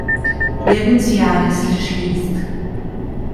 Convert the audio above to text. Lebensjahres schließt.